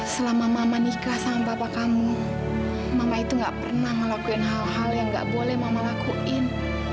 selama mama nikah sama bapak kamu mama itu gak pernah ngelakuin hal hal yang gak boleh mama lakuin